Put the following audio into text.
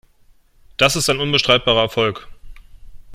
Das ist ein unbestreitbarer Erfolg.